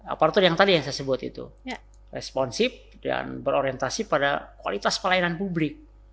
aparatur yang tadi yang saya sebut itu responsif dan berorientasi pada kualitas pelayanan publik